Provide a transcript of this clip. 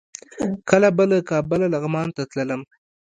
کله به له کابله لغمان ته تللم.